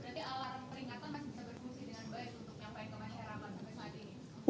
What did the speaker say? masih bisa berfungsi dengan baik